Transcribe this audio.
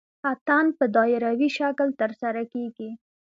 اتن په دایروي شکل ترسره کیږي.